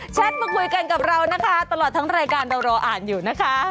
มาคุยกันกับเรานะคะตลอดทั้งรายการเรารออ่านอยู่นะคะ